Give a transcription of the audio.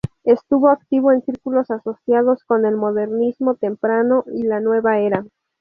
Estuvo activo en círculos asociados con el modernismo temprano y la "Nueva Era".